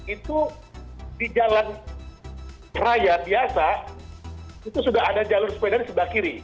itu di jalan raya biasa itu sudah ada jalur sepeda di sebelah kiri